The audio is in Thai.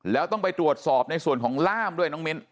แล้วต้องไปตรวจสอบในส่วนของล่ามด้วยน้องมิ้น